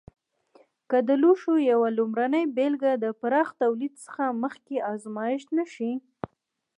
که د لوښو یوه لومړنۍ بېلګه د پراخ تولید څخه مخکې ازمېښت نه شي.